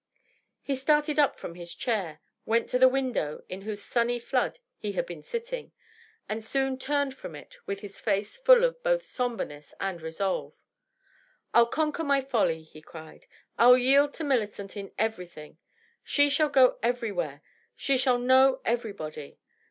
He started up from his chair, went to the window in whose sunny flood he had been sitting, and soon turned from it with his face full of both sombreness and resolve. " I'll conquer my folly !" he cried. '^ I'll yield to Millicent in everything. She shall go everywhere; she shall know everybody.